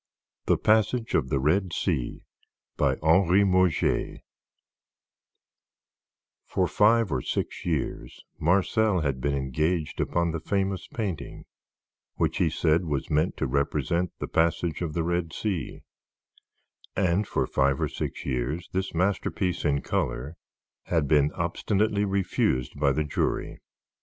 THE PASSAGE OF THE RED SEA BY HENRY MURGER For five or six years Marcel had been engaged upon the famous painting which he said was meant to represent the Passage of the Red Sea; and for five or six years this masterpiece in color had been obstinately refused by the jury.